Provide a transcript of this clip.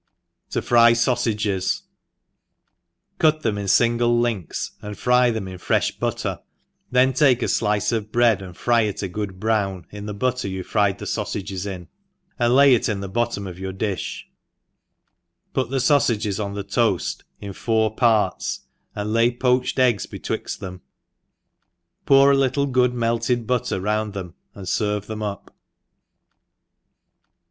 To fry Sausages. CUT them in fingle links, and fry them in frefli butter, then take a fiice of bread and fry it a good brown in the butter you fried the fau iages in, and lay it in the bottom of your difb, put the'faufages on the toaft, in four parts, and lay poached eggs betwixt them j pour a litdc good melted butter round them, and ferve them up.